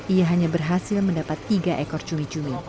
ia hanya berhasil mendapat tiga ekor cumi cumi